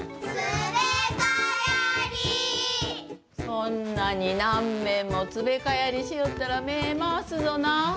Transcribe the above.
そんなになんべんもつべかやりしよったらめまわすぞな。